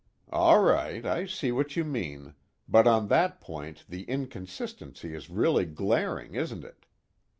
"All right, I see what you mean, but on that point the inconsistency is really glaring, isn't it?